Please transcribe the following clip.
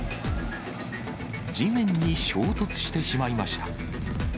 地面に衝突してしまいました。